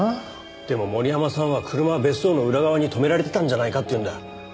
でも森山さんは車は別荘の裏側に止められてたんじゃないかって言うんだ。